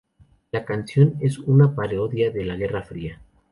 La canción es una parodia de la Guerra Fría.